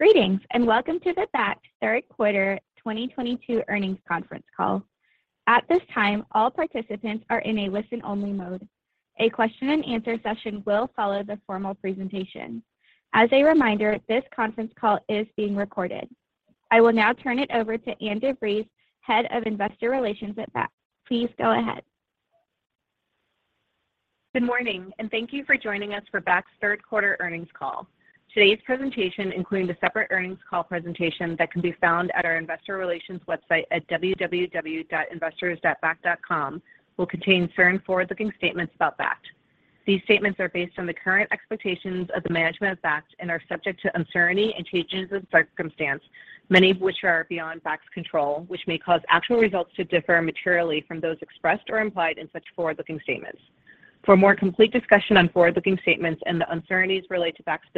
Greetings, and welcome to the Bakkt Third Quarter 2022 Earnings Conference Call. At this time, all participants are in a listen-only mode. A question and answer session will follow the formal presentation. As a reminder, this conference call is being recorded. I will now turn it over to Ann DeVries, Head of Investor Relations at Bakkt. Please go ahead. Good morning, and thank you for joining us for Bakkt's third quarter earnings call. Today's presentation, including the separate earnings call presentation that can be found at our investor relations website at www.investors.bakkt.com, will contain certain forward-looking statements about Bakkt. These statements are based on the current expectations of the management of Bakkt and are subject to uncertainty and changes in circumstance, many of which are beyond Bakkt's control, which may cause actual results to differ materially from those expressed or implied in such forward-looking statements. For a more complete discussion on forward-looking statements and the uncertainties related to Bakkt's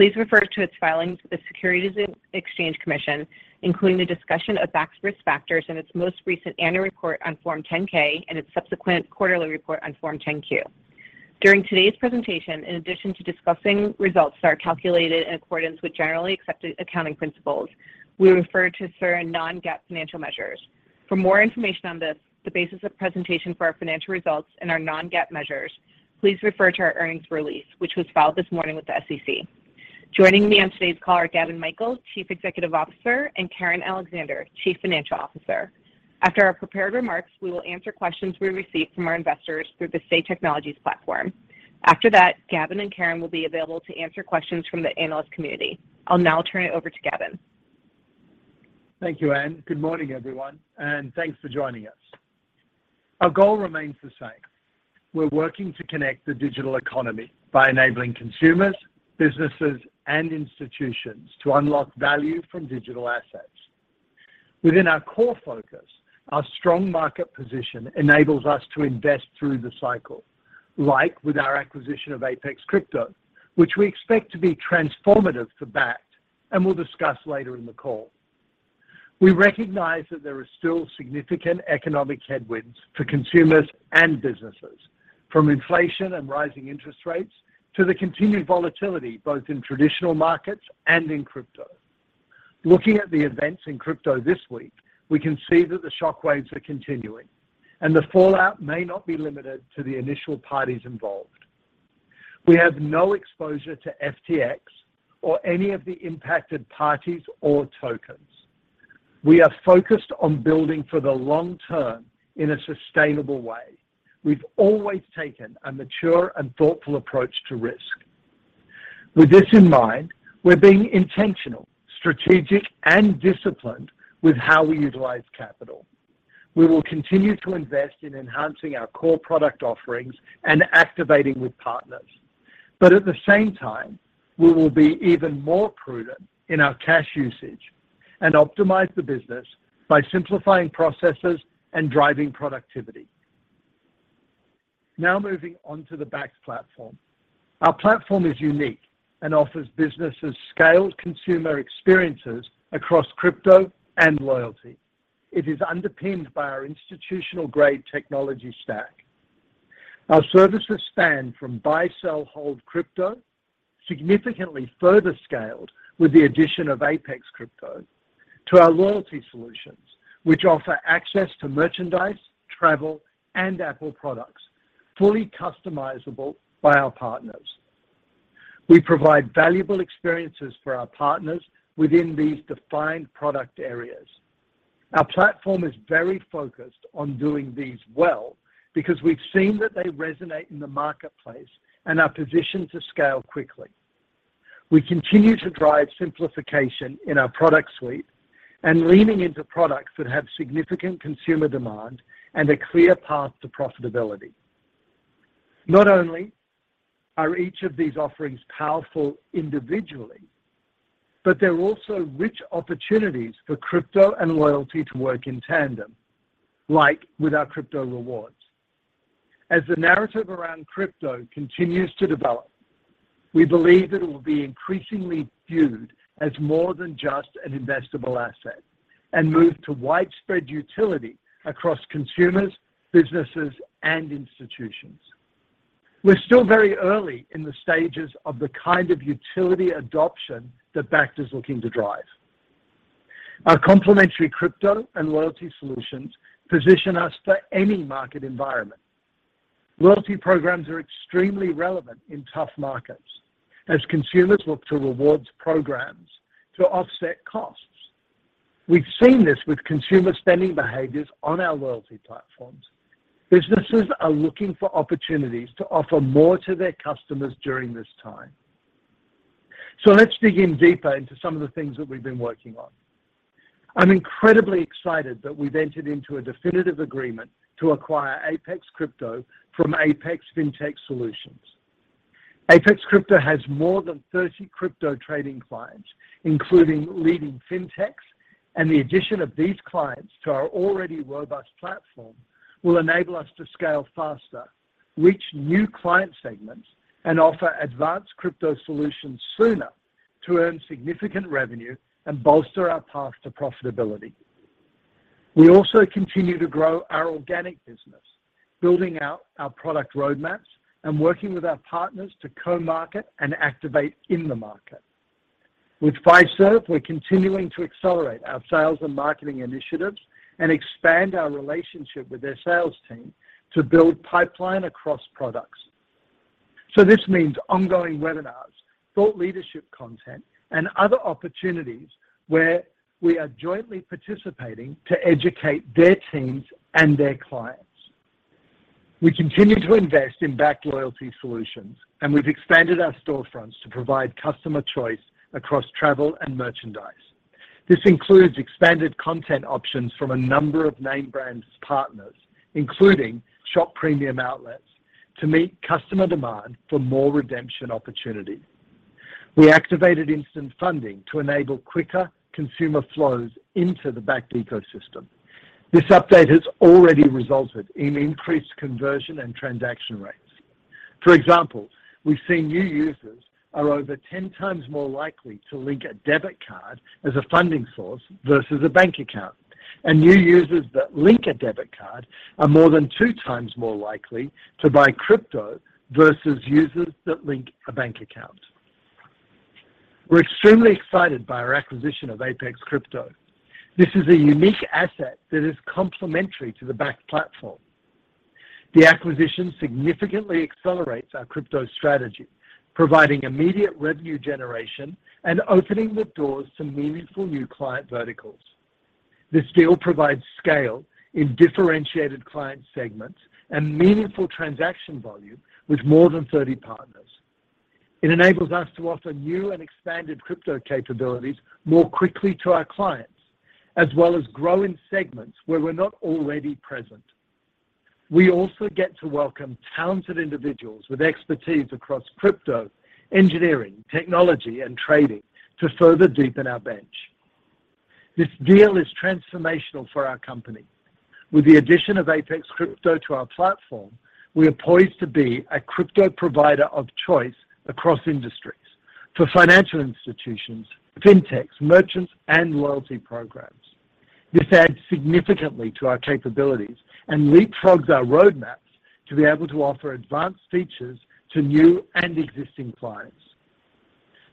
business, please refer to its filings with the Securities and Exchange Commission, including the discussion of Bakkt's risk factors in its most recent annual report on Form 10-K and its subsequent quarterly report on Form 10-Q. During today's presentation, in addition to discussing results that are calculated in accordance with generally accepted accounting principles, we refer to certain non-GAAP financial measures. For more information on this, the basis of presentation for our financial results and our non-GAAP measures, please refer to our earnings release, which was filed this morning with the SEC. Joining me on today's call are Gavin Michael, Chief Executive Officer, and Karen Alexander, Chief Financial Officer. After our prepared remarks, we will answer questions we received from our investors through the Say Technologies platform. After that, Gavin and Karen will be available to answer questions from the analyst community. I'll now turn it over to Gavin. Thank you, Ann. Good morning, everyone, and thanks for joining us. Our goal remains the same. We're working to connect the digital economy by enabling consumers, businesses, and institutions to unlock value from digital assets. Within our core focus, our strong market position enables us to invest through the cycle, like with our acquisition of Apex Crypto, which we expect to be transformative for Bakkt, and we'll discuss later in the call. We recognize that there are still significant economic headwinds for consumers and businesses, from inflation and rising interest rates to the continued volatility both in traditional markets and in crypto. Looking at the events in crypto this week, we can see that the shock waves are continuing, and the fallout may not be limited to the initial parties involved. We have no exposure to FTX or any of the impacted parties or tokens. We are focused on building for the long term in a sustainable way. We've always taken a mature and thoughtful approach to risk. With this in mind, we're being intentional, strategic, and disciplined with how we utilize capital. We will continue to invest in enhancing our core product offerings and activating with partners. At the same time, we will be even more prudent in our cash usage and optimize the business by simplifying processes and driving productivity. Now, moving on to the Bakkt platform. Our platform is unique and offers businesses scaled consumer experiences across crypto and loyalty. It is underpinned by our institutional-grade technology stack. Our services span from buy, sell, hold crypto, significantly further scaled with the addition of Apex Crypto, to our loyalty solutions, which offer access to merchandise, travel, and Apple products, fully customizable by our partners. We provide valuable experiences for our partners within these defined product areas. Our platform is very focused on doing these well because we've seen that they resonate in the marketplace and are positioned to scale quickly. We continue to drive simplification in our product suite and leaning into products that have significant consumer demand and a clear path to profitability. Not only are each of these offerings powerful individually, but they're also rich opportunities for crypto and loyalty to work in tandem, like with our Crypto Rewards. As the narrative around crypto continues to develop, we believe that it will be increasingly viewed as more than just an investable asset and move to widespread utility across consumers, businesses, and institutions. We're still very early in the stages of the kind of utility adoption that Bakkt is looking to drive. Our complementary crypto and loyalty solutions position us for any market environment. Loyalty programs are extremely relevant in tough markets as consumers look to rewards programs to offset costs. We've seen this with consumer spending behaviors on our loyalty platforms. Businesses are looking for opportunities to offer more to their customers during this time. Let's dig in deeper into some of the things that we've been working on. I'm incredibly excited that we've entered into a definitive agreement to acquire Apex Crypto from Apex Fintech Solutions. Apex Crypto has more than 30 crypto trading clients, including leading fintechs, and the addition of these clients to our already robust platform will enable us to scale faster, reach new client segments, and offer advanced crypto solutions sooner to earn significant revenue and bolster our path to profitability. We also continue to grow our organic business, building out our product roadmaps and working with our partners to co-market and activate in the market. With Fiserv, we're continuing to accelerate our sales and marketing initiatives and expand our relationship with their sales team to build pipeline across products. This means ongoing webinars, thought leadership content, and other opportunities where we are jointly participating to educate their teams and their clients. We continue to invest in Bakkt loyalty solutions, and we've expanded our storefronts to provide customer choice across travel and merchandise. This includes expanded content options from a number of name brands partners, including Shop Premium Outlets to meet customer demand for more redemption opportunities. We activated instant funding to enable quicker consumer flows into the Bakkt ecosystem. This update has already resulted in increased conversion and transaction rates. For example, we've seen new users are over 10x more likely to link a debit card as a funding source versus a bank account. New users that link a debit card are more than 2x more likely to buy crypto versus users that link a bank account. We're extremely excited by our acquisition of Apex Crypto. This is a unique asset that is complementary to the Bakkt platform. The acquisition significantly accelerates our crypto strategy, providing immediate revenue generation and opening the doors to meaningful new client verticals. This deal provides scale in differentiated client segments and meaningful transaction volume with more than 30 partners. It enables us to offer new and expanded crypto capabilities more quickly to our clients, as well as grow in segments where we're not already present. We also get to welcome talented individuals with expertise across crypto, engineering, technology, and trading to further deepen our bench. This deal is transformational for our company. With the addition of Apex Crypto to our platform, we are poised to be a crypto provider of choice across industries for financial institutions, fintechs, merchants, and loyalty programs. This adds significantly to our capabilities and leapfrogs our roadmaps to be able to offer advanced features to new and existing clients.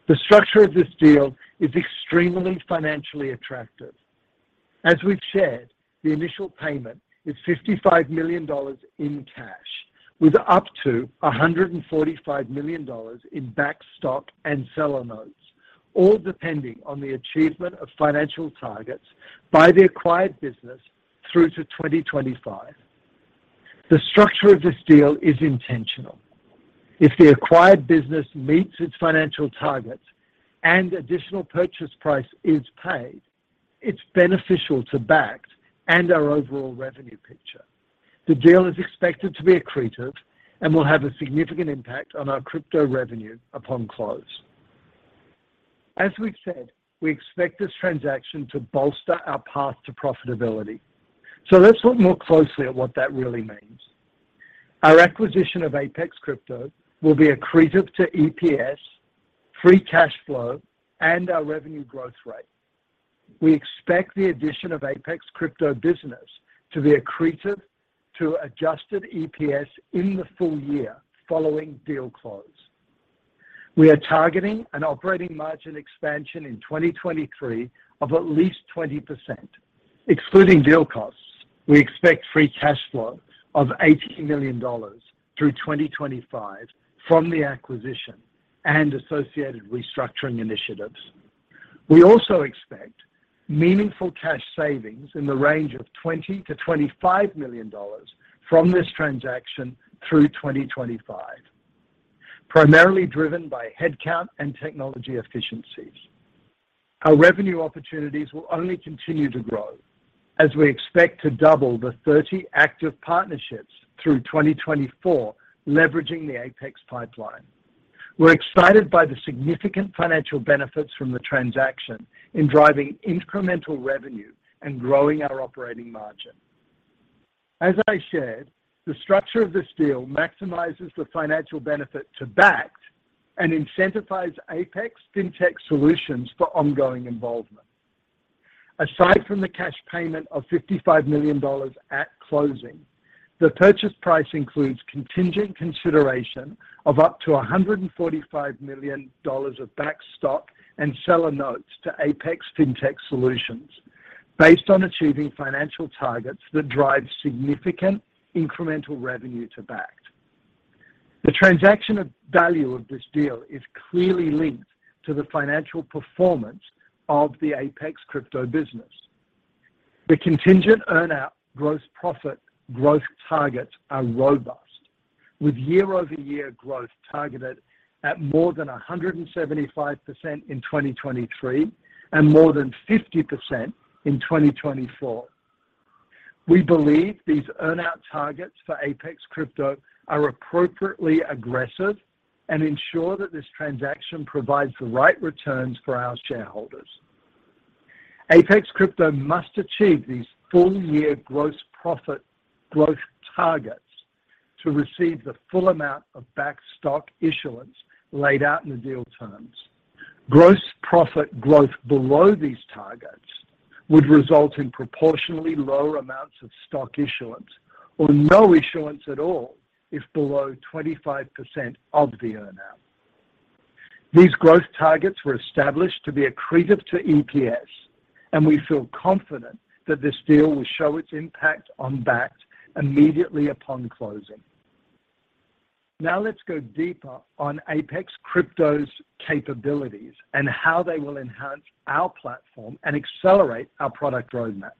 The structure of this deal is extremely financially attractive. As we've shared, the initial payment is $55 million in cash, with up to $145 million in Bakkt stock and seller notes, all depending on the achievement of financial targets by the acquired business through to 2025. The structure of this deal is intentional. If the acquired business meets its financial targets and additional purchase price is paid, it's beneficial to Bakkt and our overall revenue picture. The deal is expected to be accretive and will have a significant impact on our crypto revenue upon close. As we've said, we expect this transaction to bolster our path to profitability. Let's look more closely at what that really means. Our acquisition of Apex Crypto will be accretive to EPS, free cash flow, and our revenue growth rate. We expect the addition of Apex Crypto business to be accretive to adjusted EPS in the full year following deal close. We are targeting an operating margin expansion in 2023 of at least 20%. Excluding deal costs, we expect free cash flow of $80 million through 2025 from the acquisition and associated restructuring initiatives. We also expect meaningful cash savings in the range of $20 million-$25 million from this transaction through 2025, primarily driven by headcount and technology efficiencies. Our revenue opportunities will only continue to grow as we expect to double the 30 active partnerships through 2024, leveraging the Apex pipeline. We're excited by the significant financial benefits from the transaction in driving incremental revenue and growing our operating margin. As I shared, the structure of this deal maximizes the financial benefit to Bakkt and incentivizes Apex Fintech Solutions for ongoing involvement. Aside from the cash payment of $55 million at closing, the purchase price includes contingent consideration of up to $145 million of Bakkt stock and seller notes to Apex Fintech Solutions based on achieving financial targets that drive significant incremental revenue to Bakkt. The total value of this deal is clearly linked to the financial performance of the Apex Crypto business. The contingent earn out gross profit growth targets are robust, with year-over-year growth targeted at more than 175% in 2023 and more than 50% in 2024. We believe these earn out targets for Apex Crypto are appropriately aggressive and ensure that this transaction provides the right returns for our shareholders. Apex Crypto must achieve these full-year gross profit growth targets to receive the full amount of Bakkt stock issuance laid out in the deal terms. Gross profit growth below these targets would result in proportionally lower amounts of stock issuance or no issuance at all if below 25% of the earnout. These growth targets were established to be accretive to EPS, and we feel confident that this deal will show its impact on Bakkt immediately upon closing. Now let's go deeper on Apex Crypto's capabilities and how they will enhance our platform and accelerate our product roadmap.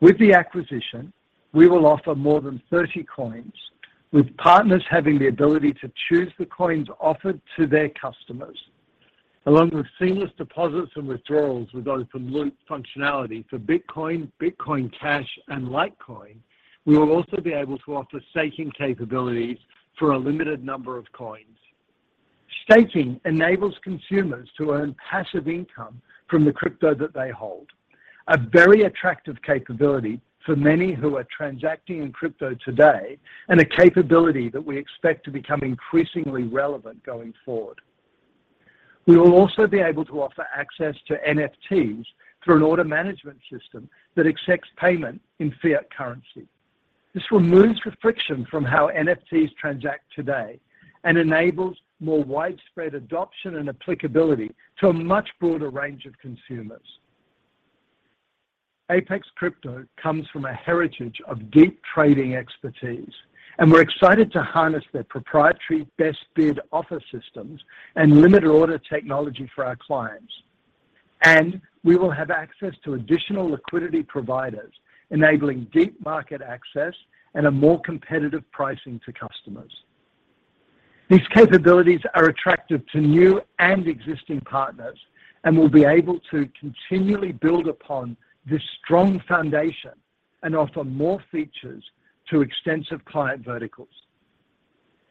With the acquisition, we will offer more than 30 coins, with partners having the ability to choose the coins offered to their customers. Along with seamless deposits and withdrawals with open loop functionality for Bitcoin Cash, and Litecoin, we will also be able to offer staking capabilities for a limited number of coins. Staking enables consumers to earn passive income from the crypto that they hold, a very attractive capability for many who are transacting in crypto today, and a capability that we expect to become increasingly relevant going forward. We will also be able to offer access to NFTs through an order management system that accepts payment in fiat currency. This removes the friction from how NFTs transact today and enables more widespread adoption and applicability to a much broader range of consumers. Apex Crypto comes from a heritage of deep trading expertise, and we're excited to harness their proprietary best bid offer systems and limit order technology for our clients. We will have access to additional liquidity providers, enabling deep market access and a more competitive pricing to customers. These capabilities are attractive to new and existing partners and will be able to continually build upon this strong foundation and offer more features to extensive client verticals.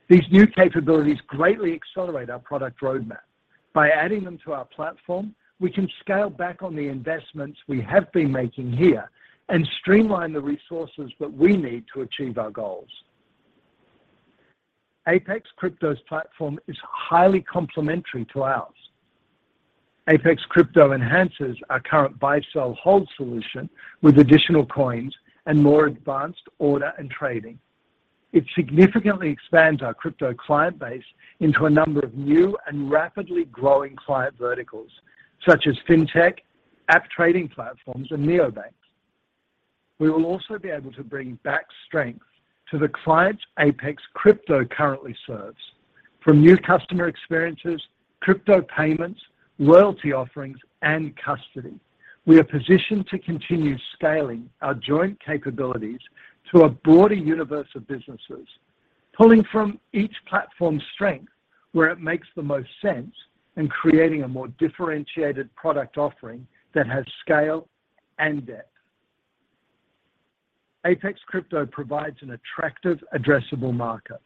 These new capabilities greatly accelerate our product roadmap. By adding them to our platform, we can scale back on the investments we have been making here and streamline the resources that we need to achieve our goals. Apex Crypto's platform is highly complementary to ours. Apex Crypto enhances our current buy, sell, hold solution with additional coins and more advanced order and trading. It significantly expands our crypto client base into a number of new and rapidly growing client verticals, such as fintech, app trading platforms, and neobanks. We will also be able to bring back strength to the clients Apex Crypto currently serves. From new customer experiences, crypto payments, loyalty offerings, and custody. We are positioned to continue scaling our joint capabilities to a broader universe of businesses, pulling from each platform's strength where it makes the most sense and creating a more differentiated product offering that has scale and depth. Apex Crypto provides an attractive addressable market.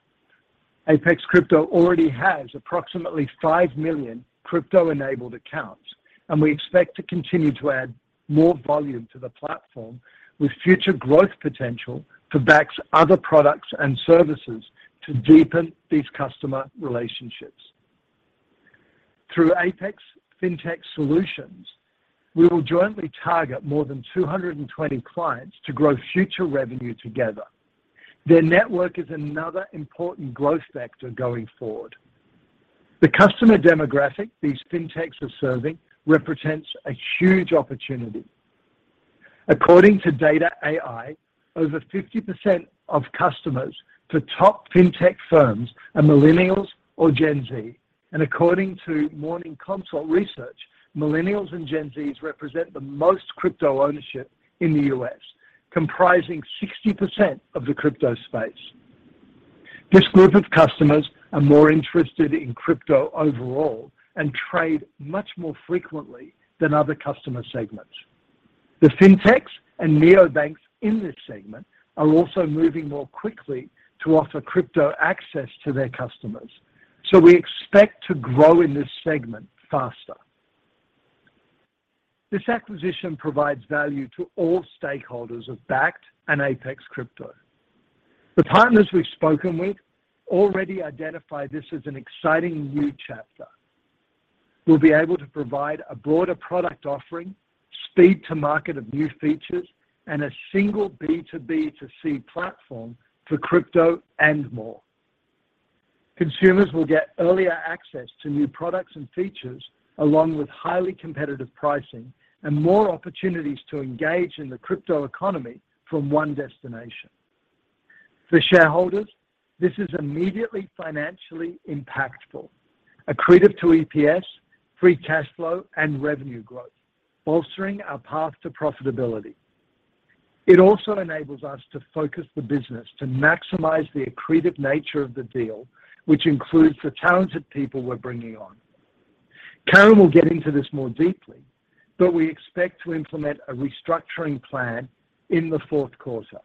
Apex Crypto already has approximately 5 million crypto-enabled accounts, and we expect to continue to add more volume to the platform with future growth potential for Bakkt's other products and services to deepen these customer relationships. Through Apex Fintech Solutions, we will jointly target more than 220 clients to grow future revenue together. Their network is another important growth factor going forward. The customer demographic these fintechs are serving represents a huge opportunity. According to data.ai, over 50% of customers for top fintech firms are Millennials or Gen Z. According to Morning Consult research, Millennials and Gen Zs represent the most crypto ownership in the U.S., comprising 60% of the crypto space. This group of customers are more interested in crypto overall and trade much more frequently than other customer segments. The fintechs and neobanks in this segment are also moving more quickly to offer crypto access to their customers, so we expect to grow in this segment faster. This acquisition provides value to all stakeholders of Bakkt and Apex Crypto. The partners we've spoken with already identify this as an exciting new chapter. We'll be able to provide a broader product offering, speed to market of new features, and a single B2B2C platform for crypto and more. Consumers will get earlier access to new products and features, along with highly competitive pricing and more opportunities to engage in the crypto economy from one destination. For shareholders, this is immediately financially impactful, accretive to EPS, free cash flow, and revenue growth, bolstering our path to profitability. It also enables us to focus the business to maximize the accretive nature of the deal, which includes the talented people we're bringing on. Karen will get into this more deeply, but we expect to implement a restructuring plan in the fourth quarter.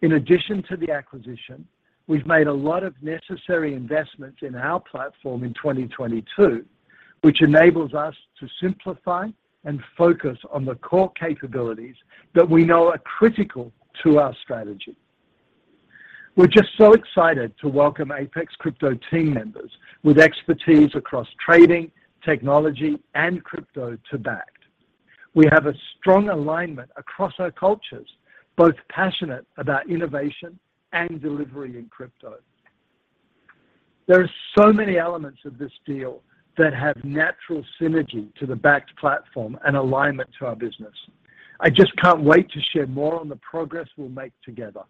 In addition to the acquisition, we've made a lot of necessary investments in our platform in 2022, which enables us to simplify and focus on the core capabilities that we know are critical to our strategy. We're just so excited to welcome Apex Crypto team members with expertise across trading, technology, and crypto to Bakkt. We have a strong alignment across our cultures, both passionate about innovation and delivery in crypto. There are so many elements of this deal that have natural synergy to the Bakkt platform and alignment to our business. I just can't wait to share more on the progress we'll make together.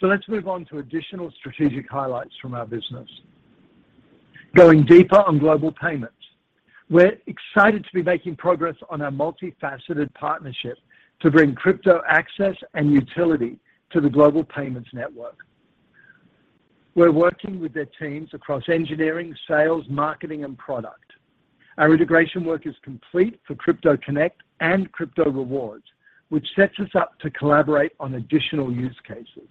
Let's move on to additional strategic highlights from our business. Going deeper on Global Payments, we're excited to be making progress on our multifaceted partnership to bring crypto access and utility to the Global Payments network. We're working with their teams across engineering, sales, marketing, and product. Our integration work is complete for Crypto Connect and Crypto Rewards, which sets us up to collaborate on additional use cases.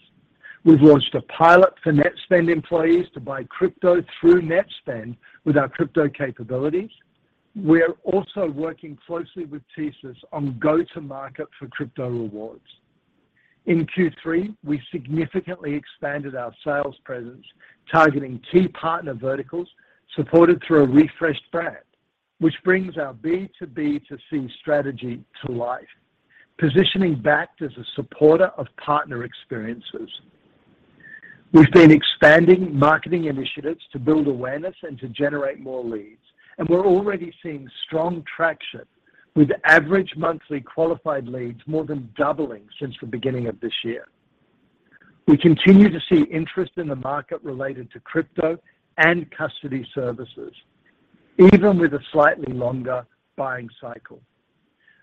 We've launched a pilot for Netspend employees to buy crypto through Netspend with our crypto capabilities. We're also working closely with TSYS on go-to-market for Crypto Rewards. In Q3, we significantly expanded our sales presence, targeting key partner verticals supported through a refreshed brand, which brings our B2B2C strategy to life, positioning Bakkt as a supporter of partner experiences. We've been expanding marketing initiatives to build awareness and to generate more leads, and we're already seeing strong traction with average monthly qualified leads more than doubling since the beginning of this year. We continue to see interest in the market related to crypto and custody services, even with a slightly longer buying cycle.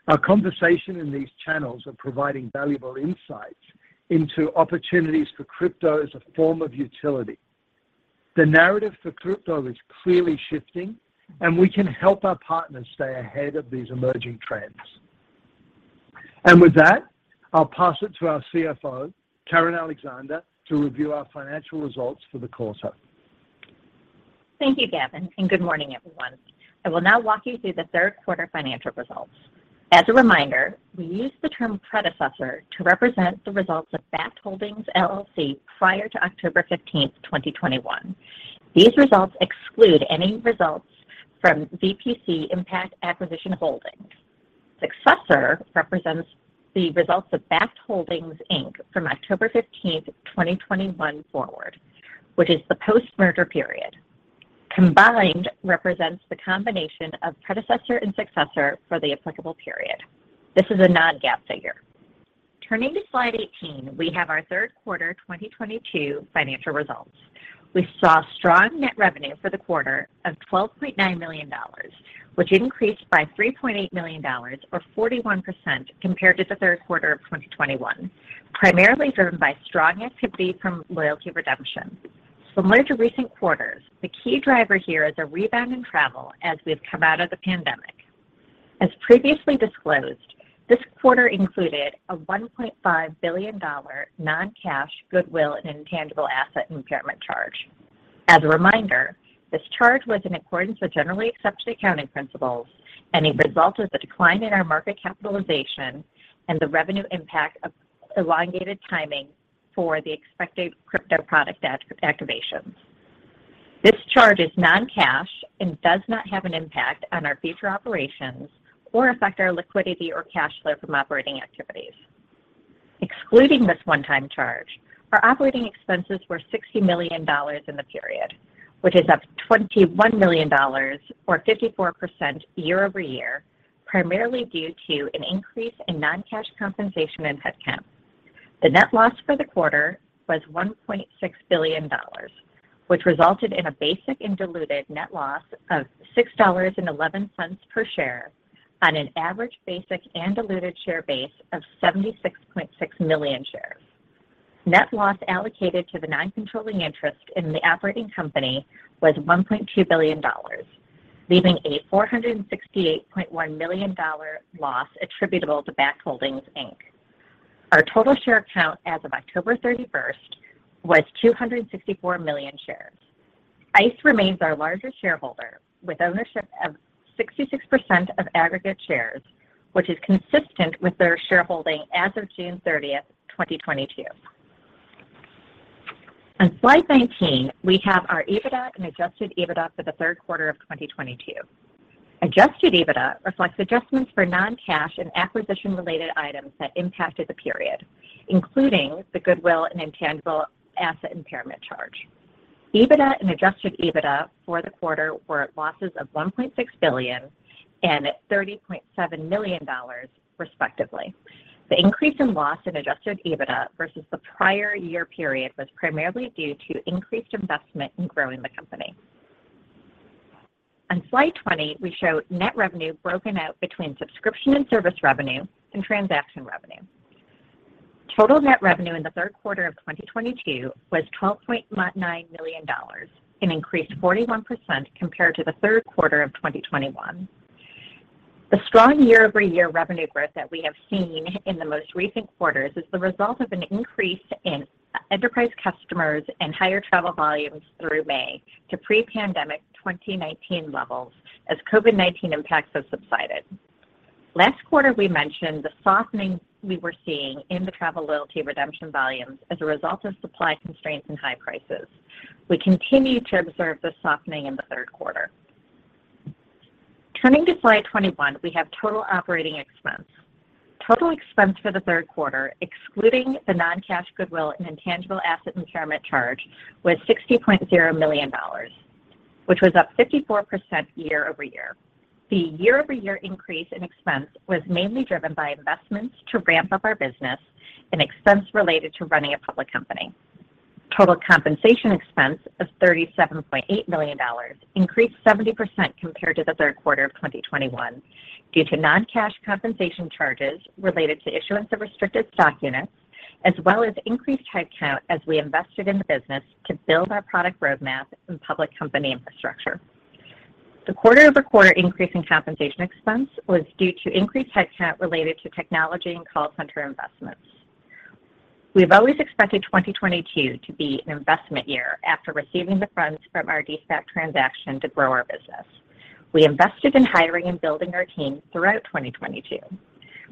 Our conversation in these channels are providing valuable insights into opportunities for crypto as a form of utility. The narrative for crypto is clearly shifting, and we can help our partners stay ahead of these emerging trends. With that, I'll pass it to our CFO, Karen Alexander, to review our financial results for the quarter. Thank you, Gavin, and good morning, everyone. I will now walk you through the third quarter financial results. As a reminder, we use the term predecessor to represent the results of Bakkt Holdings, LLC prior to October 15th, 2021. These results exclude any results from VPC Impact Acquisition Holdings. Successor represents the results of Bakkt Holdings, Inc. from October 15th, 2021 forward, which is the post-merger period. Combined represents the combination of predecessor and successor for the applicable period. This is a non-GAAP figure. Turning to slide 18, we have our third quarter 2022 financial results. We saw strong net revenue for the quarter of $12.9 million, which increased by $3.8 million or 41% compared to the third quarter of 2021, primarily driven by strong activity from loyalty redemption. Similar to recent quarters, the key driver here is a rebound in travel as we've come out of the pandemic. As previously disclosed, this quarter included a $1.5 billion non-cash goodwill and intangible asset impairment charge. As a reminder, this charge was in accordance with generally accepted accounting principles and it resulted in the decline in our market capitalization and the revenue impact of elongated timing for the expected crypto product activations. This charge is non-cash and does not have an impact on our future operations or affect our liquidity or cash flow from operating activities. Excluding this one-time charge, our operating expenses were $60 million in the period, which is up $21 million or 54% year-over-year, primarily due to an increase in non-cash compensation and headcount. The net loss for the quarter was $1.6 billion, which resulted in a basic and diluted net loss of $6.11 per share on an average basic and diluted share base of 76.6 million shares. Net loss allocated to the non-controlling interest in the operating company was $1.2 billion, leaving a $468.1 million loss attributable to Bakkt Holdings, Inc. Our total share count as of October 31st was 264 million shares. ICE remains our largest shareholder, with ownership of 66% of aggregate shares, which is consistent with their shareholding as of June 30th, 2022. On slide 19, we have our EBITDA and adjusted EBITDA for the third quarter of 2022. Adjusted EBITDA reflects adjustments for non-cash and acquisition-related items that impacted the period, including the goodwill and intangible asset impairment charge. EBITDA and adjusted EBITDA for the quarter were at losses of $1.6 billion and $30.7 million, respectively. The increase in loss in adjusted EBITDA versus the prior year period was primarily due to increased investment in growing the company. On slide 20, we show net revenue broken out between subscription and service revenue and transaction revenue. Total net revenue in the third quarter of 2022 was $12.9 million and increased 41% compared to the third quarter of 2021. The strong year-over-year revenue growth that we have seen in the most recent quarters is the result of an increase in enterprise customers and higher travel volumes through May to pre-pandemic 2019 levels as COVID-19 impacts have subsided. Last quarter, we mentioned the softening we were seeing in the travel loyalty redemption volumes as a result of supply constraints and high prices. We continue to observe the softening in the third quarter. Turning to slide 21, we have total operating expense. Total expense for the third quarter, excluding the non-cash goodwill and intangible asset impairment charge, was $60.0 million, which was up 54% year-over-year. The year-over-year increase in expense was mainly driven by investments to ramp up our business and expense related to running a public company. Total compensation expense of $37.8 million increased 70% compared to the third quarter of 2021 due to non-cash compensation charges related to issuance of restricted stock units, as well as increased headcount as we invested in the business to build our product roadmap and public company infrastructure. The quarter-over-quarter increase in compensation expense was due to increased headcount related to technology and call center investments. We have always expected 2022 to be an investment year after receiving the funds from our de-SPAC transaction to grow our business. We invested in hiring and building our team throughout 2022.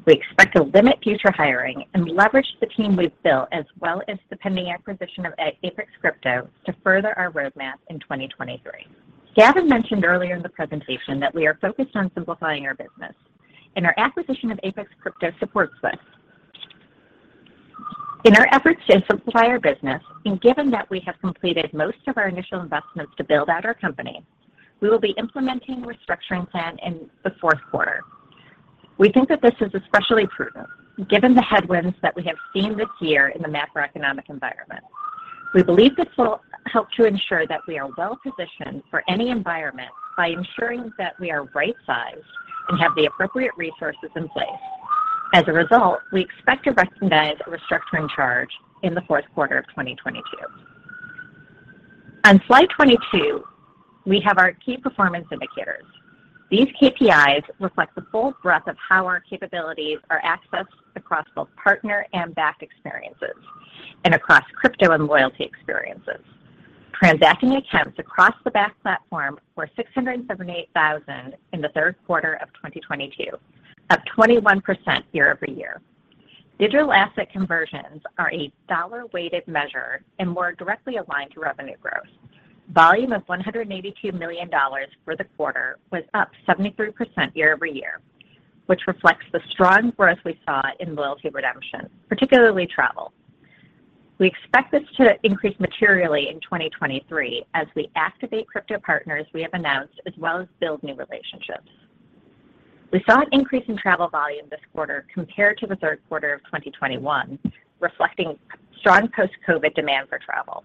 We expect to limit future hiring and leverage the team we've built, as well as the pending acquisition of Apex Crypto to further our roadmap in 2023. Gavin mentioned earlier in the presentation that we are focused on simplifying our business, and our acquisition of Apex Crypto supports this. In our efforts to simplify our business, and given that we have completed most of our initial investments to build out our company, we will be implementing a restructuring plan in the fourth quarter. We think that this is especially prudent given the headwinds that we have seen this year in the macroeconomic environment. We believe this will help to ensure that we are well-positioned for any environment by ensuring that we are right-sized and have the appropriate resources in place. As a result, we expect to recognize a restructuring charge in the fourth quarter of 2022. On slide 22, we have our key performance indicators. These KPIs reflect the full breadth of how our capabilities are accessed across both partner and Bakkt experiences and across crypto and loyalty experiences. Transacting accounts across the Bakkt platform were 678,000 in the third quarter of 2022, up 21% year-over-year. Digital asset conversions are a dollar-weighted measure and more directly aligned to revenue growth. Volume of $182 million for the quarter was up 73% year-over-year, which reflects the strong growth we saw in loyalty redemption, particularly travel. We expect this to increase materially in 2023 as we activate crypto partners we have announced, as well as build new relationships. We saw an increase in travel volume this quarter compared to the third quarter of 2021, reflecting strong post-COVID demand for travel.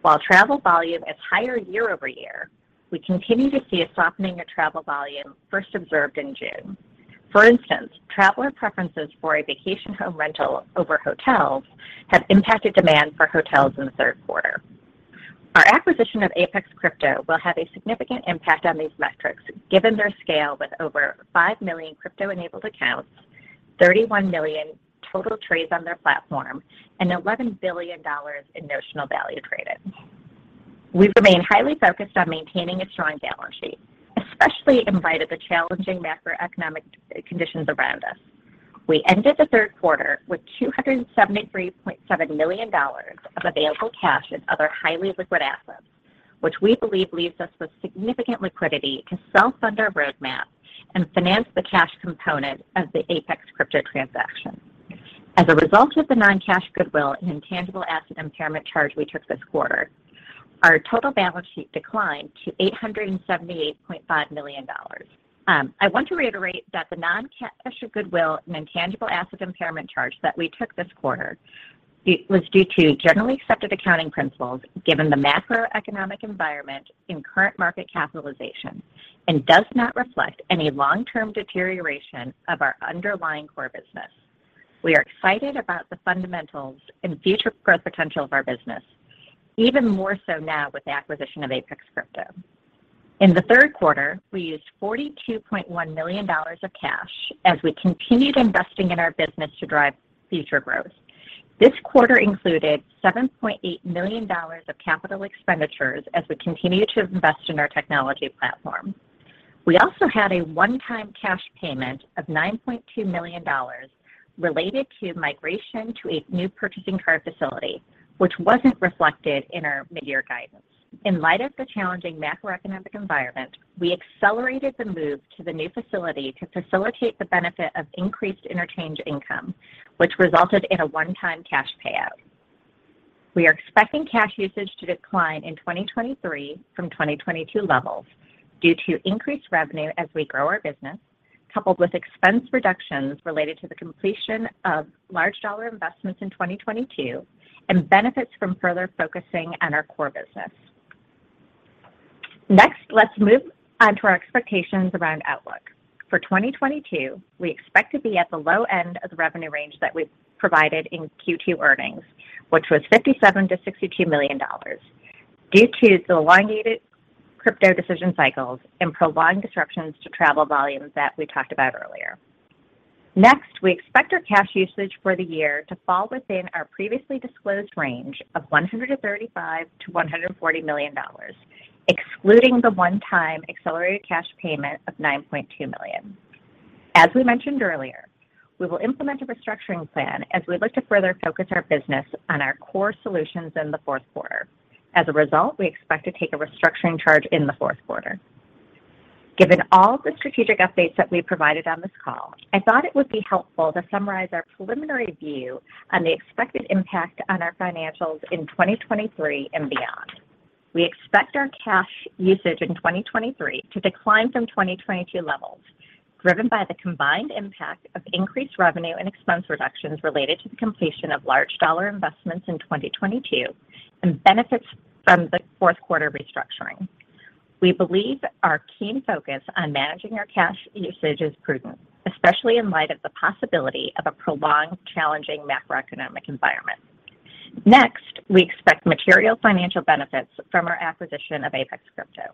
While travel volume is higher year-over-year, we continue to see a softening of travel volume first observed in June. For instance, traveler preferences for a vacation home rental over hotels have impacted demand for hotels in the third quarter. Our acquisition of Apex Crypto will have a significant impact on these metrics given their scale with over 5 million crypto-enabled accounts, 31 million total trades on their platform, and $11 billion in notional value traded. We remain highly focused on maintaining a strong balance sheet, especially in light of the challenging macroeconomic conditions around us. We ended the third quarter with $273.7 million of available cash and other highly liquid assets, which we believe leaves us with significant liquidity to self-fund our roadmap and finance the cash component of the Apex Crypto transaction. As a result of the non-cash goodwill and intangible asset impairment charge we took this quarter, our total balance sheet declined to $878.5 million. I want to reiterate that the non-cash goodwill and intangible asset impairment charge that we took this quarter was due to generally accepted accounting principles given the macroeconomic environment and current market capitalization and does not reflect any long-term deterioration of our underlying core business. We are excited about the fundamentals and future growth potential of our business, even more so now with the acquisition of Apex Crypto. In the third quarter, we used $42.1 million of cash as we continued investing in our business to drive future growth. This quarter included $7.8 million of capital expenditures as we continue to invest in our technology platform. We also had a one-time cash payment of $9.2 million related to migration to a new purchasing card facility, which wasn't reflected in our mid-year guidance. In light of the challenging macroeconomic environment, we accelerated the move to the new facility to facilitate the benefit of increased interchange income, which resulted in a one-time cash payout. We are expecting cash usage to decline in 2023 from 2022 levels due to increased revenue as we grow our business, coupled with expense reductions related to the completion of large-dollar investments in 2022 and benefits from further focusing on our core business. Next, let's move on to our expectations around outlook. For 2022, we expect to be at the low end of the revenue range that we provided in Q2 earnings, which was $57 million-$62 million due to the elongated crypto decision cycles and prolonged disruptions to travel volumes that we talked about earlier. Next, we expect our cash usage for the year to fall within our previously disclosed range of $135 million-$140 million, excluding the one-time accelerated cash payment of $9.2 million. As we mentioned earlier, we will implement a restructuring plan as we look to further focus our business on our core solutions in the fourth quarter. As a result, we expect to take a restructuring charge in the fourth quarter. Given all the strategic updates that we provided on this call, I thought it would be helpful to summarize our preliminary view on the expected impact on our financials in 2023 and beyond. We expect our cash usage in 2023 to decline from 2022 levels, driven by the combined impact of increased revenue and expense reductions related to the completion of large dollar investments in 2022 and benefits from the fourth quarter restructuring. We believe our keen focus on managing our cash usage is prudent, especially in light of the possibility of a prolonged, challenging macroeconomic environment. Next, we expect material financial benefits from our acquisition of Apex Crypto.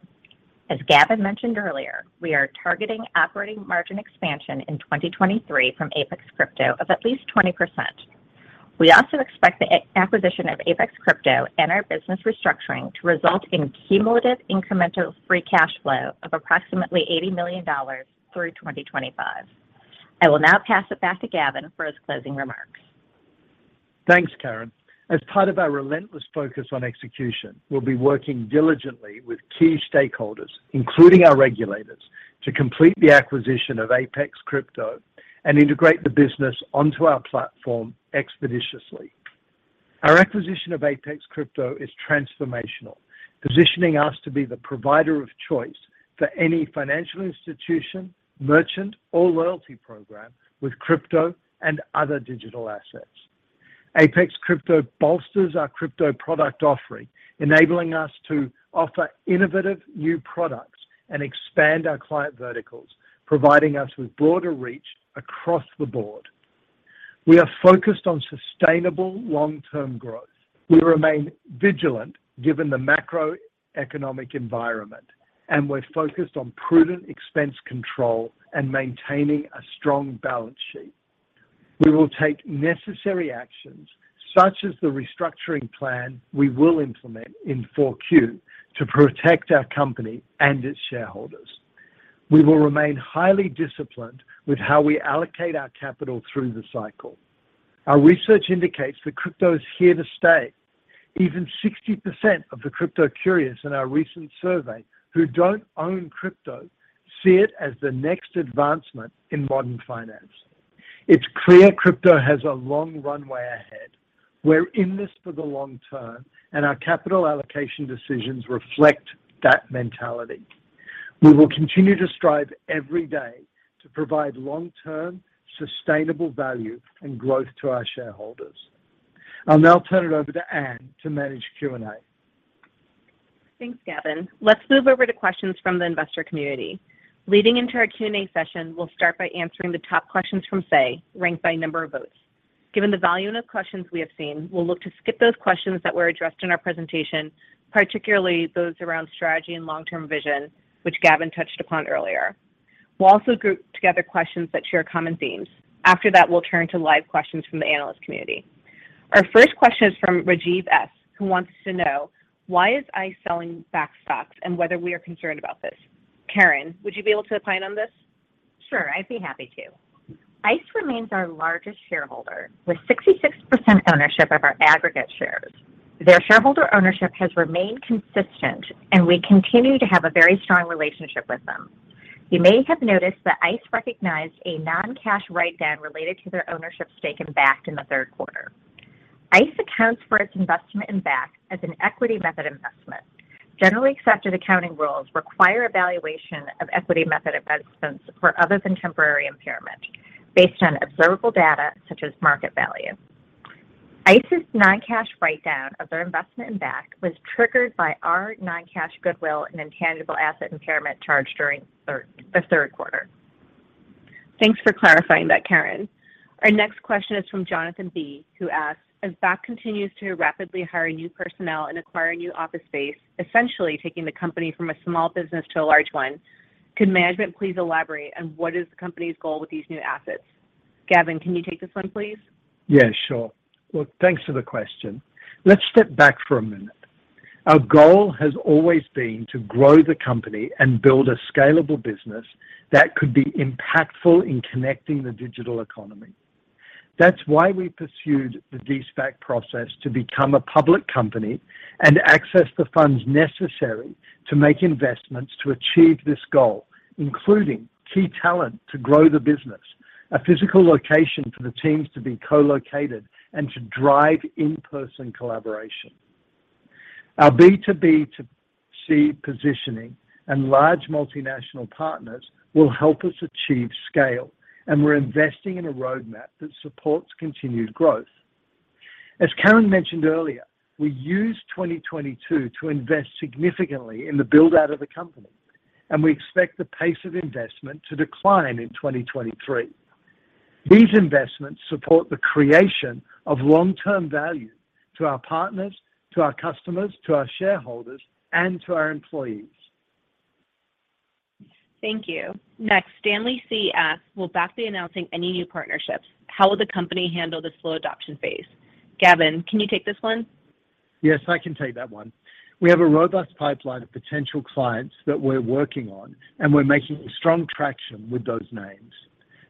As Gavin mentioned earlier, we are targeting operating margin expansion in 2023 from Apex Crypto of at least 20%. We also expect the acquisition of Apex Crypto and our business restructuring to result in cumulative incremental free cash flow of approximately $80 million through 2025. I will now pass it back to Gavin for his closing remarks. Thanks, Karen. As part of our relentless focus on execution, we'll be working diligently with key stakeholders, including our regulators, to complete the acquisition of Apex Crypto and integrate the business onto our platform expeditiously. Our acquisition of Apex Crypto is transformational, positioning us to be the provider of choice for any financial institution, merchant, or loyalty program with crypto and other digital assets. Apex Crypto bolsters our crypto product offering, enabling us to offer innovative new products and expand our client verticals, providing us with broader reach across the board. We are focused on sustainable long-term growth. We remain vigilant given the macroeconomic environment, and we're focused on prudent expense control and maintaining a strong balance sheet. We will take necessary actions, such as the restructuring plan we will implement in 4Q to protect our company and its shareholders. We will remain highly disciplined with how we allocate our capital through the cycle. Our research indicates that crypto is here to stay. Even 60% of the crypto curious in our recent survey who don't own crypto see it as the next advancement in modern finance. It's clear crypto has a long runway ahead. We're in this for the long term, and our capital allocation decisions reflect that mentality. We will continue to strive every day to provide long-term, sustainable value and growth to our shareholders. I'll now turn it over to Ann to manage Q&A. Thanks, Gavin. Let's move over to questions from the investor community. Leading into our Q&A session, we'll start by answering the top questions from Say, ranked by number of votes. Given the volume of questions we have seen, we'll look to skip those questions that were addressed in our presentation, particularly those around strategy and long-term vision, which Gavin touched upon earlier. We'll also group together questions that share common themes. After that, we'll turn to live questions from the analyst community. Our first question is from Rajiv S, who wants to know why is ICE selling Bakkt stocks and whether we are concerned about this. Karen, would you be able to opine on this? Sure. I'd be happy to. ICE remains our largest shareholder with 66% ownership of our aggregate shares. Their shareholder ownership has remained consistent, and we continue to have a very strong relationship with them. You may have noticed that ICE recognized a non-cash write-down related to their ownership stake in Bakkt in the third quarter. ICE accounts for its investment in Bakkt as an equity method investment. Generally accepted accounting rules require evaluation of equity method investments for other than temporary impairment based on observable data such as market value. ICE's non-cash write-down of their investment in Bakkt was triggered by our non-cash goodwill and intangible asset impairment charge during the third quarter. Thanks for clarifying that, Karen. Our next question is from Jonathan B, who asks, as Bakkt continues to rapidly hire new personnel and acquire new office space, essentially taking the company from a small business to a large one, could management please elaborate on what is the company's goal with these new assets? Gavin, can you take this one, please? Yeah, sure. Well, thanks for the question. Let's step back for a minute. Our goal has always been to grow the company and build a scalable business that could be impactful in connecting the digital economy. That's why we pursued the de-SPAC process to become a public company and access the funds necessary to make investments to achieve this goal, including key talent to grow the business, a physical location for the teams to be co-located and to drive in-person collaboration. Our B2B2C positioning and large multinational partners will help us achieve scale, and we're investing in a roadmap that supports continued growth. As Karen mentioned earlier, we used 2022 to invest significantly in the build-out of the company, and we expect the pace of investment to decline in 2023. These investments support the creation of long-term value to our partners, to our customers, to our shareholders, and to our employees. Thank you. Next, Stanley C. asks, "Will Bakkt be announcing any new partnerships? How will the company handle the slow adoption phase?" Gavin, can you take this one? Yes, I can take that one. We have a robust pipeline of potential clients that we're working on, and we're making strong traction with those names.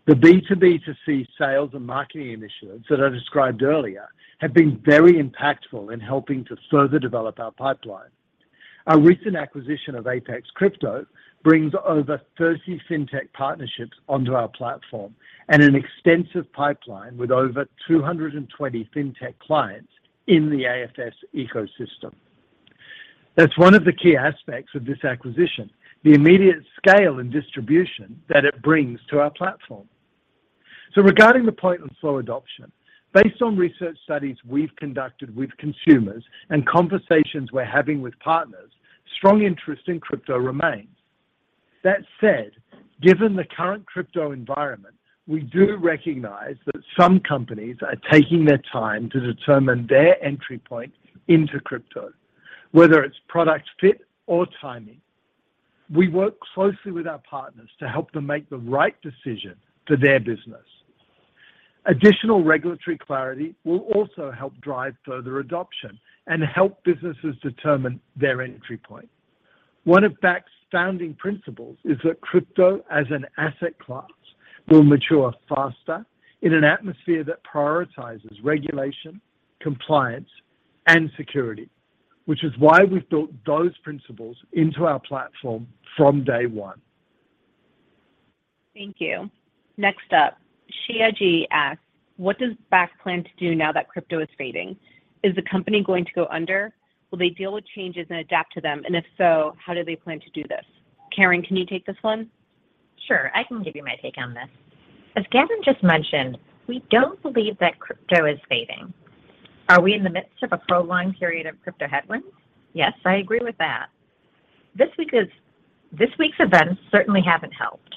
The B2B2C sales and marketing initiatives that I described earlier have been very impactful in helping to further develop our pipeline. Our recent acquisition of Apex Crypto brings over 30 fintech partnerships onto our platform and an extensive pipeline with over 220 fintech clients in the AFS ecosystem. That's one of the key aspects of this acquisition, the immediate scale and distribution that it brings to our platform. Regarding the point on slow adoption, based on research studies we've conducted with consumers and conversations we're having with partners, strong interest in crypto remains. That said, given the current crypto environment, we do recognize that some companies are taking their time to determine their entry point into crypto, whether it's product fit or timing. We work closely with our partners to help them make the right decision for their business. Additional regulatory clarity will also help drive further adoption and help businesses determine their entry point. One of Bakkt's founding principles is that crypto as an asset class will mature faster in an atmosphere that prioritizes regulation, compliance, and security, which is why we've built those principles into our platform from day one. Thank you. Next up, Shia G. asks, "What does Bakkt plan to do now that crypto is fading? Is the company going to go under? Will they deal with changes and adapt to them? And if so, how do they plan to do this?" Karen, can you take this one? Sure. I can give you my take on this. As Gavin just mentioned, we don't believe that crypto is fading. Are we in the midst of a prolonged period of crypto headwinds? Yes, I agree with that. This week's events certainly haven't helped,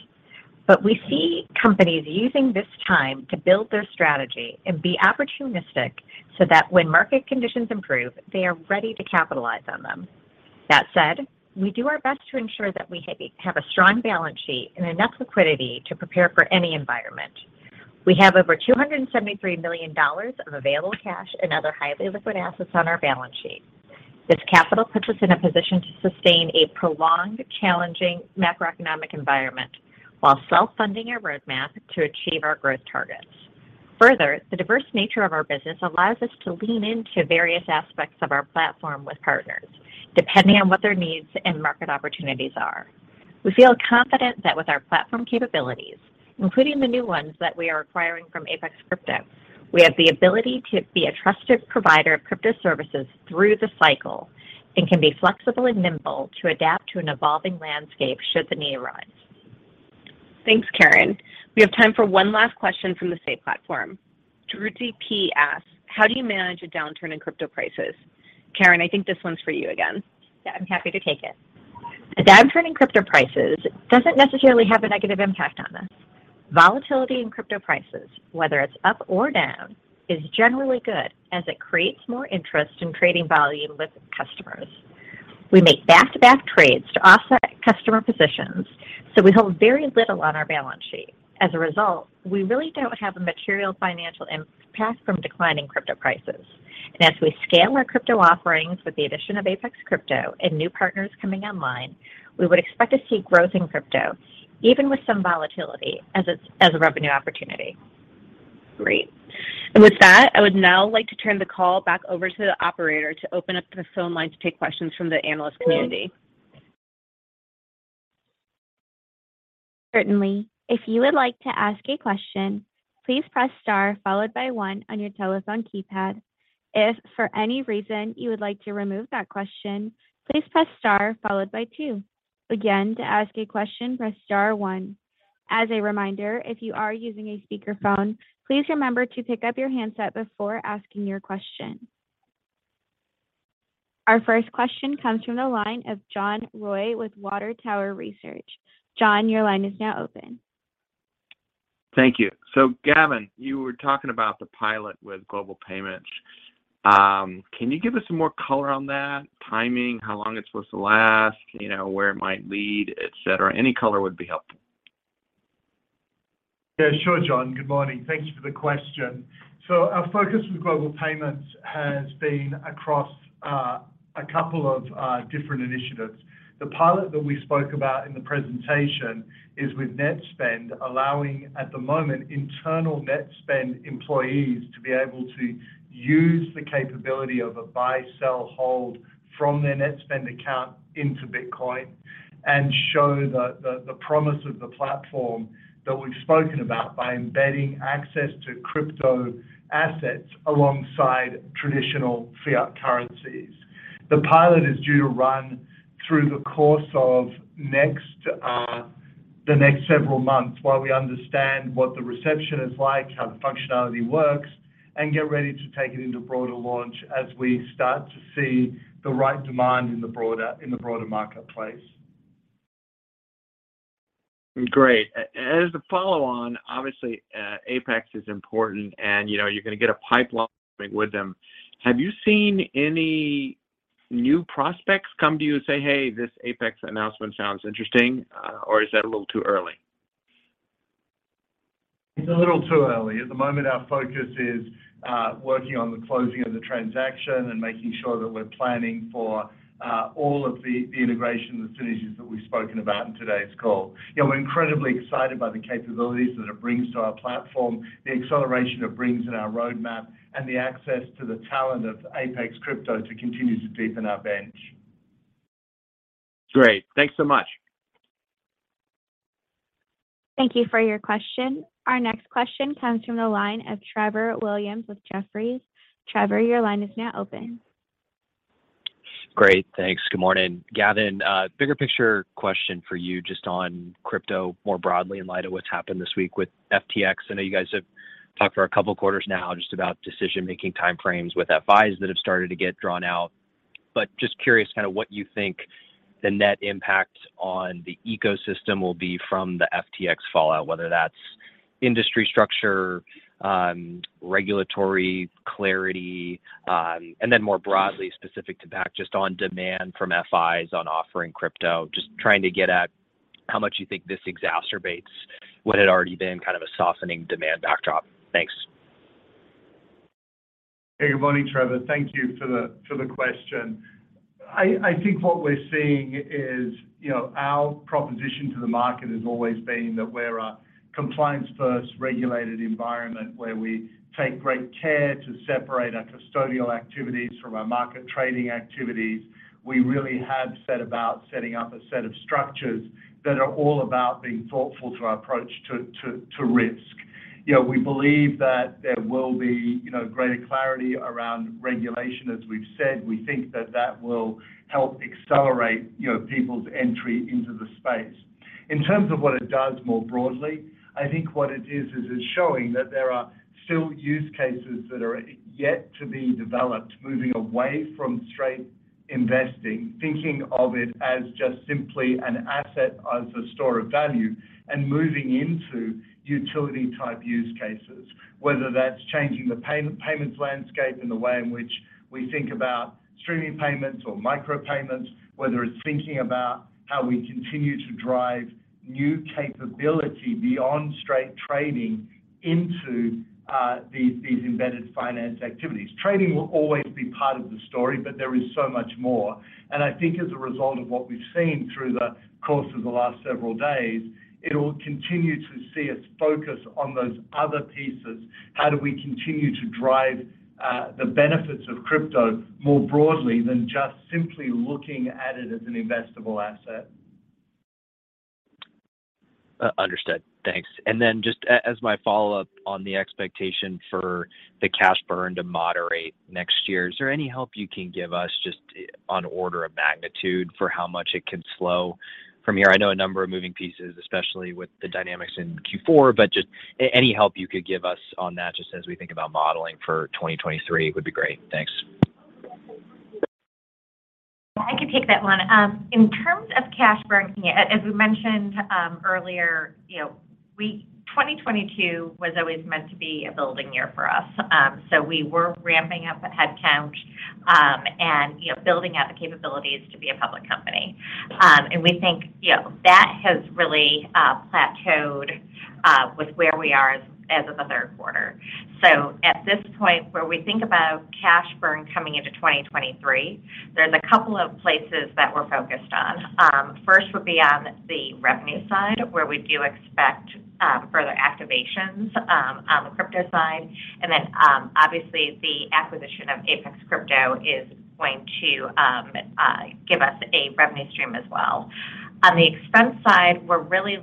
but we see companies using this time to build their strategy and be opportunistic so that when market conditions improve, they are ready to capitalize on them. That said, we do our best to ensure that we have a strong balance sheet and enough liquidity to prepare for any environment. We have over $273 million of available cash and other highly liquid assets on our balance sheet. This capital puts us in a position to sustain a prolonged, challenging macroeconomic environment while self-funding our roadmap to achieve our growth targets. Further, the diverse nature of our business allows us to lean into various aspects of our platform with partners, depending on what their needs and market opportunities are. We feel confident that with our platform capabilities, including the new ones that we are acquiring from Apex Crypto, we have the ability to be a trusted provider of crypto services through the cycle and can be flexible and nimble to adapt to an evolving landscape should the need arise. Thanks, Karen. We have time for one last question from the Say platform. Druzi P. asks, "How do you manage a downturn in crypto prices?" Karen, I think this one's for you again. Yeah, I'm happy to take it. A downturn in crypto prices doesn't necessarily have a negative impact on us. Volatility in crypto prices, whether it's up or down, is generally good as it creates more interest in creating volume with customers. We make back-to-back trades to offset customer positions, so we hold very little on our balance sheet. As a result, we really don't have a material financial impact from declining crypto prices. As we scale our crypto offerings with the addition of Apex Crypto and new partners coming online, we would expect to see growth in crypto, even with some volatility as a revenue opportunity. Great. With that, I would now like to turn the call back over to the operator to open up the phone line to take questions from the analyst community. Certainly. If you would like to ask a question, please press star followed by one on your telephone keypad. If for any reason you would like to remove that question, please press star followed by two. Again, to ask a question, press star one. As a reminder, if you are using a speakerphone, please remember to pick up your handset before asking your question. Our first question comes from the line of John Roy with Water Tower Research. John, your line is now open. Thank you. Gavin, you were talking about the pilot with Global Payments. Can you give us some more color on that, timing, how long it's supposed to last, you know, where it might lead, etc.? Any color would be helpful. Yeah, sure, John. Good morning. Thank you for the question. Our focus with Global Payments has been across a couple of different initiatives. The pilot that we spoke about in the presentation is with Netspend, allowing, at the moment, internal Netspend employees to be able to use the capability of a buy, sell, hold from their Netspend account into Bitcoin and show the promise of the platform that we've spoken about by embedding access to crypto assets alongside traditional fiat currencies. The pilot is due to run through the course of the next several months while we understand what the reception is like, how the functionality works, and get ready to take it into broader launch as we start to see the right demand in the broader marketplace. Great. As the follow on, obviously, Apex is important and, you know, you're gonna get a pipeline with them. Have you seen any new prospects come to you and say, "Hey, this Apex announcement sounds interesting," or is that a little too early? It's a little too early. At the moment, our focus is working on the closing of the transaction and making sure that we're planning for all of the integration, the synergies that we've spoken about in today's call. You know, we're incredibly excited by the capabilities that it brings to our platform, the acceleration it brings in our roadmap, and the access to the talent of Apex Crypto to continue to deepen our bench. Great. Thanks so much. Thank you for your question. Our next question comes from the line of Trevor Williams with Jefferies. Trevor, your line is now open. Great, thanks. Good morning. Gavin, bigger picture question for you just on crypto more broadly in light of what's happened this week with FTX. I know you guys have talked for a couple quarters now just about decision-making time frames with FIs that have started to get drawn out. Just curious kinda what you think the net impact on the ecosystem will be from the FTX fallout, whether that's industry structure, regulatory clarity, and then more broadly specific to Bakkt just on demand from FIs on offering crypto. Just trying to get at how much you think this exacerbates what had already been kind of a softening demand backdrop. Thanks. Hey, good morning, Trevor. Thank you for the question. I think what we're seeing is, you know, our proposition to the market has always been that we're a compliance-first regulated environment, where we take great care to separate our custodial activities from our market trading activities. We really have set about setting up a set of structures that are all about being thoughtful to our approach to risk. You know, we believe that there will be, you know, greater clarity around regulation, as we've said. We think that will help accelerate, you know, people's entry into the space. In terms of what it does more broadly, I think what it is it's showing that there are still use cases that are yet to be developed, moving away from straight investing, thinking of it as just simply an asset as a store of value, and moving into utility-type use cases, whether that's changing the payments landscape and the way in which we think about streaming payments or micro payments, whether it's thinking about how we continue to drive new capability beyond straight trading into these embedded finance activities. Trading will always be part of the story, but there is so much more. I think as a result of what we've seen through the course of the last several days, it'll continue to see us focus on those other pieces. How do we continue to drive the benefits of crypto more broadly than just simply looking at it as an investable asset? Understood. Thanks. Then just as my follow-up on the expectation for the cash burn to moderate next year, is there any help you can give us just on order of magnitude for how much it can slow from here? I know a number of moving pieces, especially with the dynamics in Q4, but just any help you could give us on that just as we think about modeling for 2023 would be great. Thanks. I can take that one. In terms of cash burn, as we mentioned earlier, you know, we 2022 was always meant to be a building year for us. We were ramping up the headcount, and, you know, building out the capabilities to be a public company. And we think, you know, that has really plateaued with where we are as of the third quarter. At this point, where we think about cash burn coming into 2023, there's a couple of places that we're focused on. First would be on the revenue side, where we do expect further activations on the crypto side. Then, obviously the acquisition of Apex Crypto is going to give us a revenue stream as well. On the expense side, we're really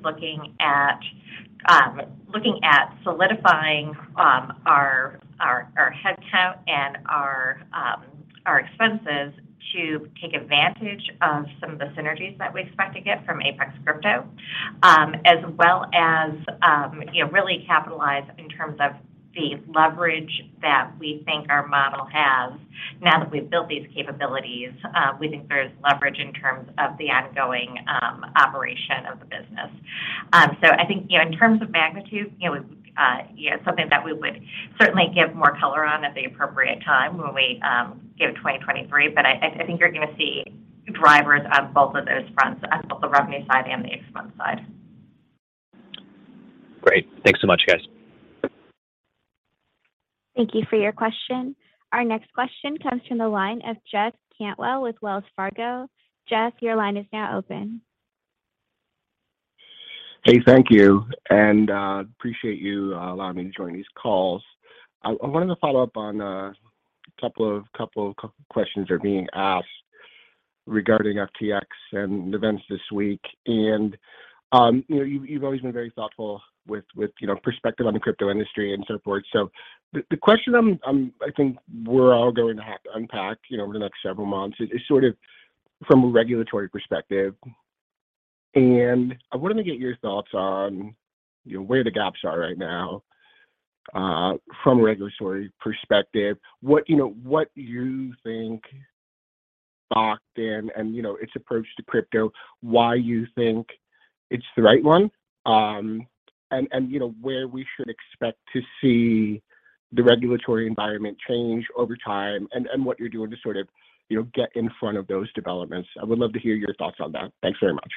looking at solidifying our headcount and our expenses to take advantage of some of the synergies that we expect to get from Apex Crypto, as well as, you know, really capitalize in terms of the leverage that we think our model has. Now that we've built these capabilities, we think there's leverage in terms of the ongoing operation of the business. I think, you know, in terms of magnitude, you know, you know, something that we would certainly give more color on at the appropriate time when we give 2023. I think you're gonna see drivers on both of those fronts, on both the revenue side and the expense side. Great. Thanks so much, guys. Thank you for your question. Our next question comes from the line of Jeff Cantwell with Wells Fargo. Jeff, your line is now open. Hey, thank you and appreciate you allowing me to join these calls. I wanted to follow up on a couple of questions are being asked regarding FTX and events this week. You know, you've always been very thoughtful with you know perspective on the crypto industry and so forth. The question I think we're all going to have to unpack you know over the next several months is sort of from a regulatory perspective. I wanted to get your thoughts on you know where the gaps are right now. From a regulatory perspective, what you know what you think Bakkt and you know its approach to crypto, why you think it's the right one? You know, where we should expect to see the regulatory environment change over time and what you're doing to sort of, you know, get in front of those developments. I would love to hear your thoughts on that. Thanks very much.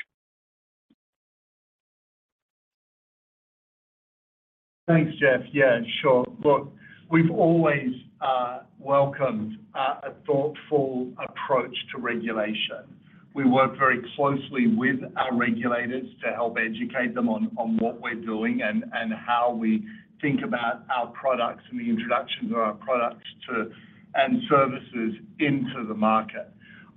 Thanks, Jeff. Yeah, sure. Look, we've always welcomed a thoughtful approach to regulation. We work very closely with our regulators to help educate them on what we're doing and how we think about our products and the introduction of our products and services into the market.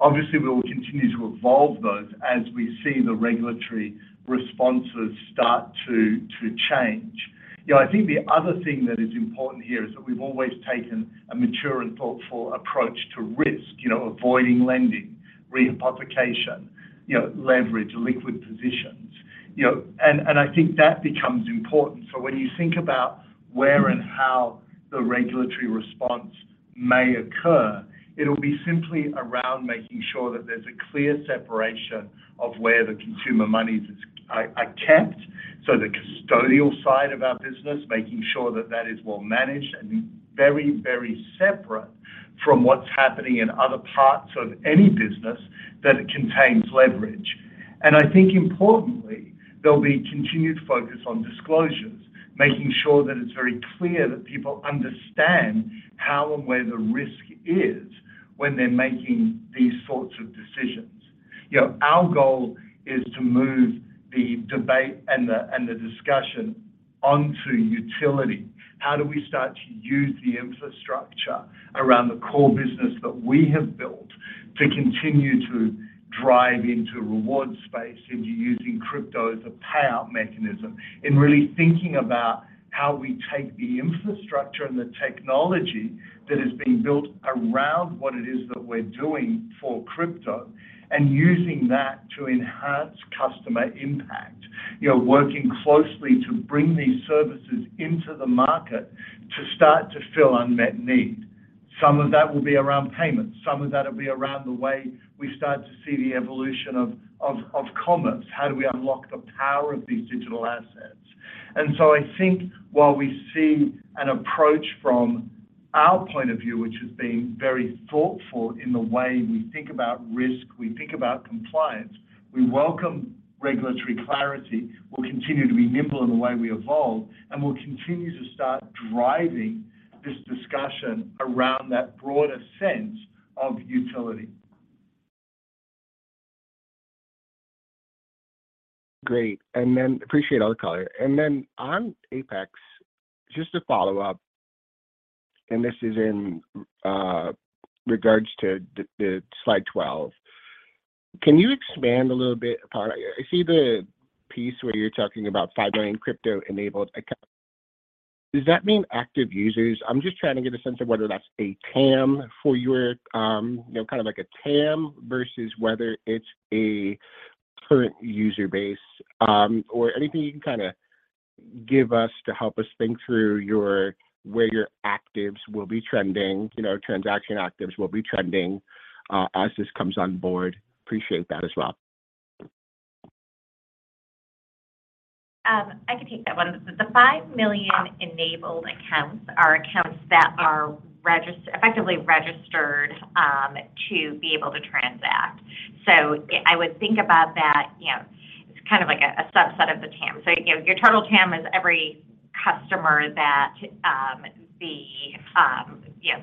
Obviously, we'll continue to evolve those as we see the regulatory responses start to change. You know, I think the other thing that is important here is that we've always taken a mature and thoughtful approach to risk, you know, avoiding lending, rehypothecation, you know, leverage, illiquid positions. You know, and I think that becomes important. When you think about where and how the regulatory response may occur, it'll be simply around making sure that there's a clear separation of where the consumer monies are kept. The custodial side of our business, making sure that that is well managed and very, very separate from what's happening in other parts of any business that it contains leverage. I think importantly, there'll be continued focus on disclosures, making sure that it's very clear that people understand how and where the risk is when they're making these sorts of decisions. You know, our goal is to move the debate and the discussion onto utility. How do we start to use the infrastructure around the core business that we have built to continue to drive into reward space, into using crypto as a payout mechanism, and really thinking about how we take the infrastructure and the technology that has been built around what it is that we're doing for crypto and using that to enhance customer impact. You know, working closely to bring these services into the market to start to fill unmet need. Some of that will be around payments, some of that will be around the way we start to see the evolution of commerce. How do we unlock the power of these digital assets? I think while we see an approach from our point of view, which has been very thoughtful in the way we think about risk, we think about compliance, we welcome regulatory clarity. We'll continue to be nimble in the way we evolve, and we'll continue to start driving this discussion around that broader sense of utility. Great. Appreciate all the color. On Apex, just to follow up, and this is in regards to the slide 12. Can you expand a little bit upon. I see the piece where you're talking about 5 million crypto-enabled accounts. Does that mean active users? I'm just trying to get a sense of whether that's a TAM for your, you know, kind of like a TAM versus whether it's a current user base, or anything you can kinda give us to help us think through your where your actives will be trending, you know, transaction actives will be trending, as this comes on board. Appreciate that as well. I can take that one. The 5 million enabled accounts are accounts that are effectively registered to be able to transact. I would think about that, you know, it's kind of like a subset of the TAM. You know, your total TAM is every customer that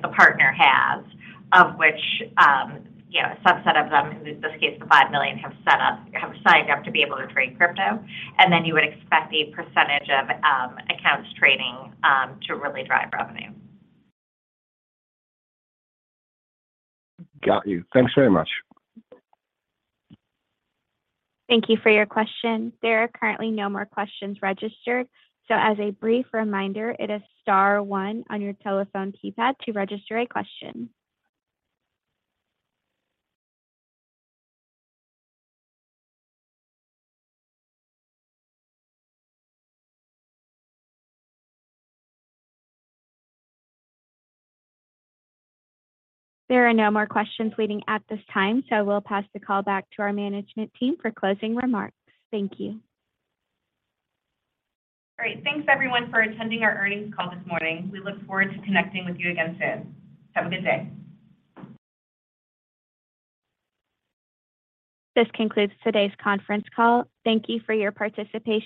the partner has, of which a subset of them, in this case, the 5 million, have signed up to be able to trade crypto. Then you would expect a percentage of accounts trading to really drive revenue. Got you. Thanks very much. Thank you for your question. There are currently no more questions registered. As a brief reminder, it is star one on your telephone keypad to register a question. There are no more questions waiting at this time, so we'll pass the call back to our management team for closing remarks. Thank you. Great. Thanks everyone for attending our earnings call this morning. We look forward to connecting with you again soon. Have a good day. This concludes today's conference call. Thank you for your participation.